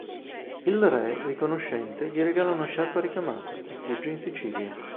Il re, riconoscente, gli regala una sciarpa ricamata, e fugge in Sicilia.